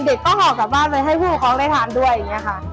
เด็กก็ห่อกลับบ้านไปให้ผู้ปกครองได้ทานด้วยอย่างนี้ค่ะ